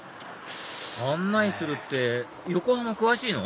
案内するって横浜詳しいの？